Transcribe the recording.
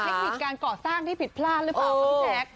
มันเป็นเทคนิคการเกาะสร้างที่ผิดพลาดหรือเปล่าครับพี่แท็ก